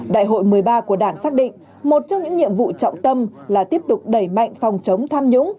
đại hội một mươi ba của đảng xác định một trong những nhiệm vụ trọng tâm là tiếp tục đẩy mạnh phòng chống tham nhũng